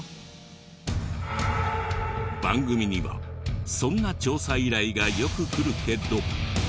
番組にはそんな調査依頼がよく来るけど。